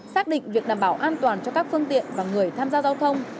xác định việc đảm bảo an toàn cho các phương tiện và người tham gia giao thông